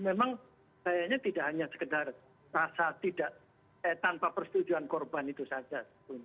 jadi memang kayaknya tidak hanya sekedar rasa tidak eh tanpa persetujuan korban itu saja